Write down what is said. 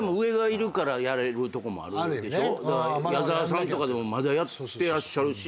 矢沢さんとかでもまだやってらっしゃるし。